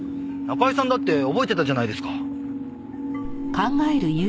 仲居さんだって覚えてたじゃないですか。